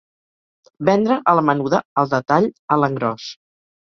Vendre a la menuda, al detall, a l'engròs.